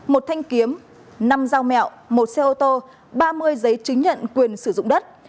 một thanh kiếm năm dao mèo một xe ô tô ba mươi giấy chứng nhận quyền sử dụng đất